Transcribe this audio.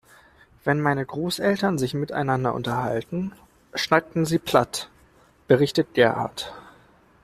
Wenn meine Großeltern sich miteinander unterhalten, schnacken sie platt, berichtet Gerhard.